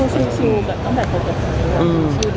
ชีวิตต้องแบบปกติ